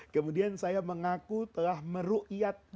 kemudian saya mengaku telah meruqyah